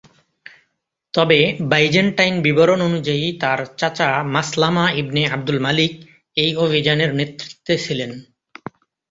তবে বাইজেন্টাইন বিবরণ অনুযায়ী তার চাচা মাসলামা ইবনে আবদুল মালিক এই অভিযানের নেতৃত্বে ছিলেন।